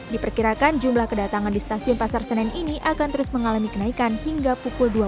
diperkirakan jumlah kedatangan di stasiun pasar senen ini akan terus mengalami kenaikan hingga pukul dua puluh